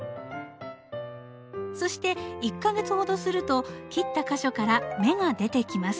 そして１か月ほどすると切った箇所から芽が出てきます。